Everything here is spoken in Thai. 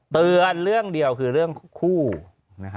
เตือนเรื่องเดียวคือเรื่องคู่